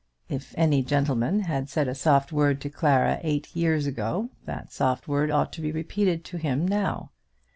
If any gentleman had said a soft word to Clara eight years ago, that soft word ought to be repeated to him now.